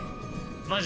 マジ？